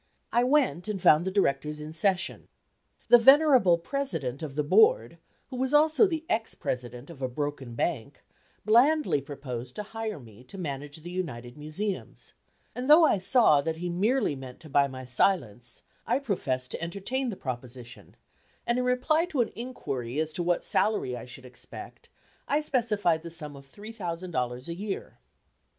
I went, and found the directors in session. The venerable president of the board, who was also the ex president of a broken bank, blandly proposed to hire me to manage the united museums, and though I saw that he merely meant to buy my silence, I professed to entertain the proposition, and in reply to an inquiry as to what salary I should expect, I specified the sum of $3,000 a year.